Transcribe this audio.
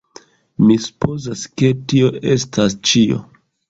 Mi supozas ke... tio estas ĉio!